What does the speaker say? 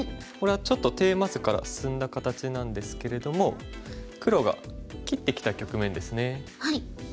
これはちょっとテーマ図から進んだ形なんですけれども黒が切ってきた局面ですね。